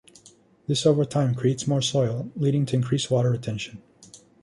This over time creates more soil, leading to increased water retention.